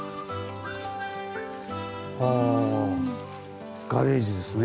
あぁガレージですね。